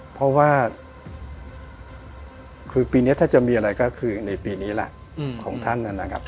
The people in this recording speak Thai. เพราะว่าคือปีนี้ถ้าจะมีอะไรก็คือในปีนี้แหละของท่านนะครับ